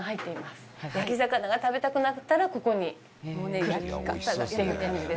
焼き魚が食べたくなったらここに来るっていう感じです。